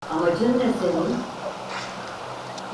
Amacın ne senin?